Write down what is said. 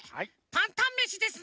パンタンめしですね。